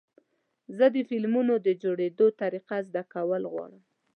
زه د فلمونو د جوړېدو طریقه زده کول غواړم.